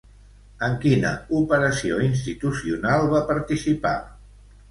En quina operació institucional va participar?